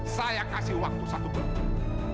saya kasih waktu satu bulan